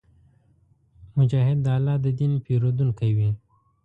مجاهد د الله د دین پېرودونکی وي.